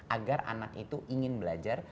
agar anak itu ingin belajar